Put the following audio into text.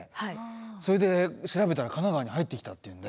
それで調べたら神奈川に入ってきたっていうんで。